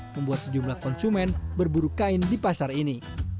membuat sejumlah konsumen berburu kain di pasar ini